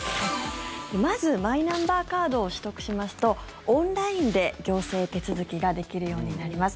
まず、マイナンバーカードを取得しますとオンラインで行政手続きができるようになります。